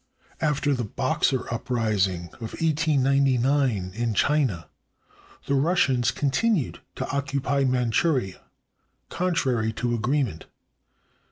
After the Boxer upris ing of 1899 in China, the Russians continued to occupy Manchuria, contrary to agreement.